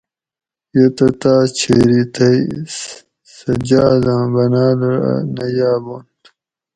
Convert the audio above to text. یہ تہ تاۤس چھیری تھئ سہۤ جاۤز آۤں باۤناۤل رہ نہ یابنت